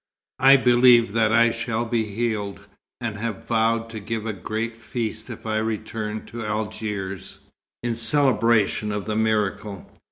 I believe that I shall be healed, and have vowed to give a great feast if I return to Algiers, in celebration of the miracle.